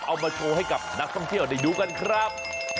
เอามาโชว์ให้กับนักเมืองเค้าเตรียมให้ดูกันครับ